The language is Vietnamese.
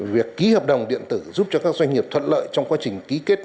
việc ký hợp đồng điện tử giúp cho các doanh nghiệp thuận lợi trong quá trình ký kết